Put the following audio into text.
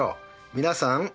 皆さん。